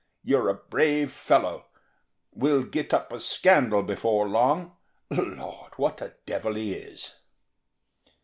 You're a brave fellow; we'll get up a scandal before long. Lord! what a devil he is!"